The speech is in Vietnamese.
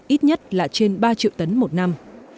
ít nhất là trên ba triệu tấn một năm